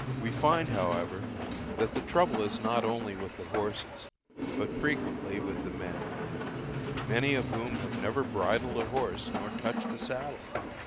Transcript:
We find, however, that the trouble is not only with the horses, but frequently with the men, many of whom have never bridled a horse nor touched a saddle.